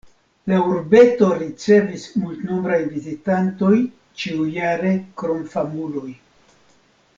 La urbeto ricevis multnombrajn vizitantojn ĉiujare krom famuloj.